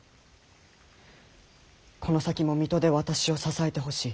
この先も水戸で私を支えてほしい。